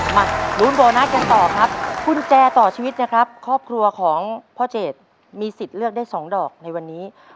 มาลุ้นโบนัสกันต่อครับกุญแจต่อชีวิตนะครับครอบครัวของพ่อเจดมีสิทธิ์เลือกได้สองดอกในวันนี้